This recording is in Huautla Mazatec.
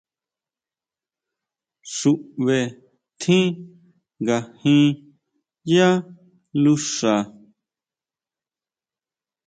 Xuʼbe tjín ngajin yá luxa.